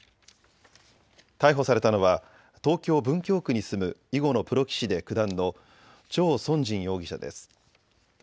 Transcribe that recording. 逮捕されたのは東京文京区に住む囲碁のプロ棋士で九段の趙善津容疑者です。